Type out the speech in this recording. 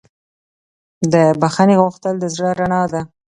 د بښنې غوښتل د زړه رڼا ده.